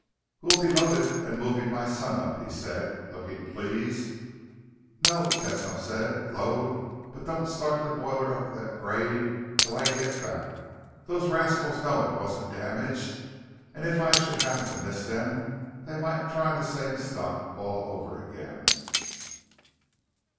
"We'll be loaded and moving by sun up," he said, looking pleased. "No," Tesno said. "Load, but don't start the boiler up that grade till I get back. Those rascals know it wasn't damaged, and if I should happen to miss them, they might try the same stunt all over again."